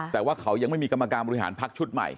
แต่ว่าเขายังไม่มีกรรมการบริหารพักชุดใหม่